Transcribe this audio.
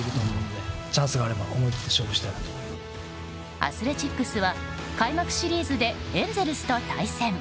アスレチックスは開幕シリーズでエンゼルスと対戦。